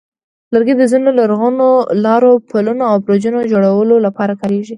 لرګي د ځینو لرغونو لارو، پلونو، او برجونو جوړولو لپاره کارېږي.